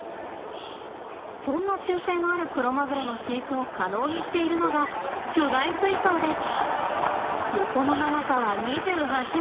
そんな習性のあるクロマグロの飼育を可能にしているのが巨大水槽です。